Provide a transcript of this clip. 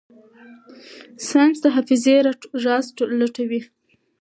ساینس د حافظې راز لټوي.